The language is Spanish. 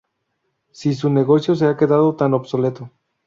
si su negocio se ha quedado tan obsoleto